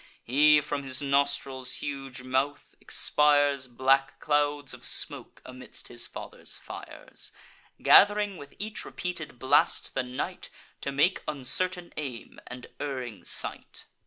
He, from his nostrils huge mouth, expires Black clouds of smoke, amidst his father's fires, Gath'ring, with each repeated blast, the night, To make uncertain aim, and erring sight.